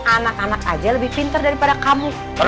anak anak aja lebih pinter daripada kamu